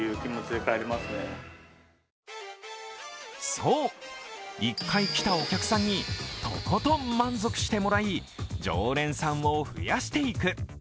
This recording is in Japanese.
そう、一回来たお客さんにとことん満足してもらい常連さんを増やしていく。